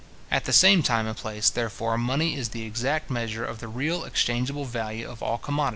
At the same time and place, therefore, money is the exact measure of the real exchangeable value of all commodities.